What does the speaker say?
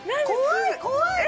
怖い！